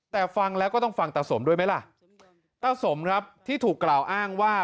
แต่ฟังแล้วก็ต้องฟังตาสมด้วยไหมล่ะตาสมครับที่ถูกกล่าวอ้างว่า